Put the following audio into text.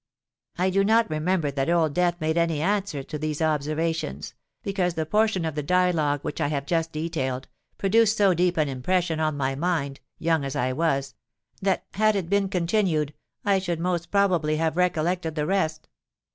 '—I do not remember that Old Death made any answer to these observations; because the portion of the dialogue which I have just detailed, produced so deep an impression on my mind—young as I was—that had it been continued, I should most probably have recollected the rest.